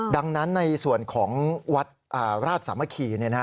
ดังนั้นในส่วนของวัดราชสามัคคี